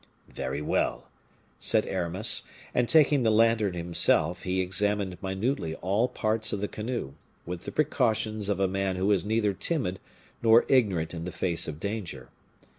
"Very well," said Aramis; and, taking the lantern himself, he examined minutely all parts of the canoe, with the precautions of a man who is neither timid nor ignorant in the face of danger.